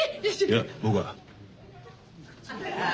いや僕は。